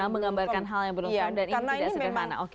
menggambarkan hal yang belum firm dan ini tidak sederhana